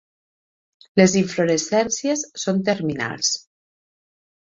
Les inflorescències són terminals.